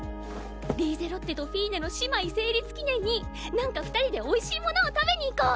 リーゼロッテとフィーネの姉妹成立記念になんか二人でおいしいものを食べに行こう！